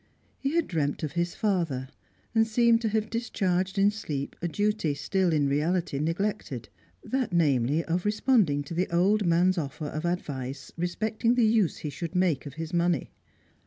He had dreamt of his father, and seemed to have discharged in sleep a duty still in reality neglected; that, namely, of responding to the old man's offer of advice respecting the use he should make of his money.